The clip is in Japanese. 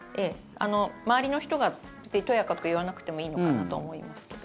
周りの人がとやかく言わなくてもいいのかなと思いますけど。